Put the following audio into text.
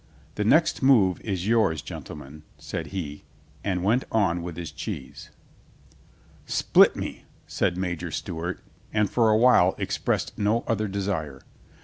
"The next move is yours, gentlemen," said he, and went on with his cheese. "Split me," said Major Stewart, and for a while expressed no other desire.